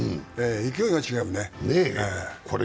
勢いが違うもんね。